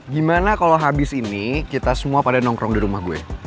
gimana kalau habis ini kita semua pada nongkrong di rumah gue